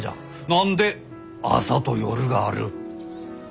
何で朝と夜がある？